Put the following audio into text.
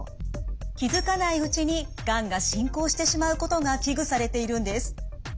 気づかないうちにがんが進行してしまうことが危惧されているんです。